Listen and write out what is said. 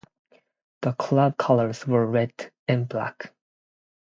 The club colours were red and black.